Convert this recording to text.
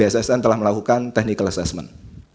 bssn telah melakukan technical assessment